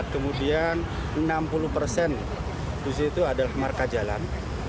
kemudian enam puluh persen itu adalah marka jalan